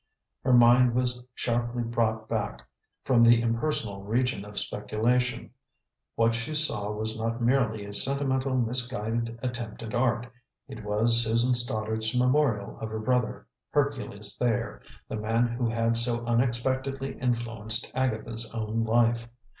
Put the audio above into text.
Her mind was sharply brought back from the impersonal region of speculation. What she saw was not merely a sentimental, misguided attempt at art; it was Susan Stoddard's memorial of her brother, Hercules Thayer the man who had so unexpectedly influenced Agatha's own life.